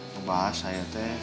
membahas saya teh